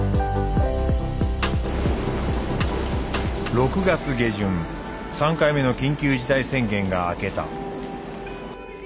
６月下旬３回目の緊急事態宣言が明けた。